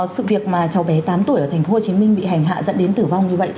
sự việc mà cháu bé tám tuổi ở tp hcm bị hành hạ dẫn đến tử vong như vậy